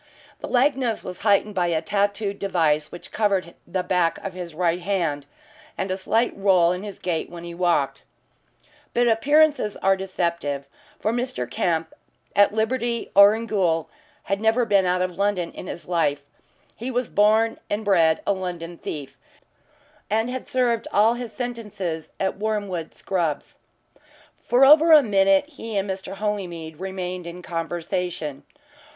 The likeness was heightened by a tattooed device which covered the back of his right hand, and a slight roll in his gait when he walked. But appearances are deceptive, for Mr. Kemp, at liberty or in gaol, had never been out of London in his life. He was born and bred a London thief, and had served all his sentences at Wormwood Scrubbs. For over a minute he and Mr. Holymead remained in conversation.